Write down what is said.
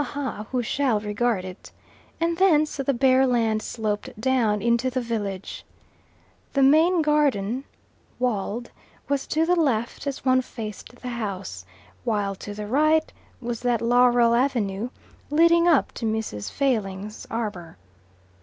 ha! who shall regard it?"), and thence the bare land sloped down into the village. The main garden (walled) was to the left as one faced the house, while to the right was that laurel avenue, leading up to Mrs. Failing's arbour.